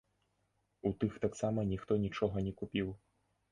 У тых таксама ніхто нічога не купіў.